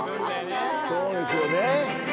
そうですよね。